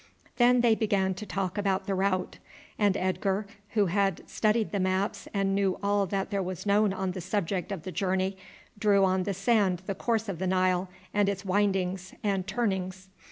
Then they began to talk about the route, and Edgar, who had studied the maps and knew all that was known on the subject of the journey, drew on the sand the course of the Nile with its windings and turnings.